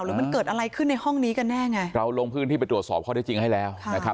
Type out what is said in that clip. หรือมันเกิดอะไรขึ้นในห้องนี้กันแน่ไงเราลงพื้นที่ไปตรวจสอบข้อได้จริงให้แล้วนะครับ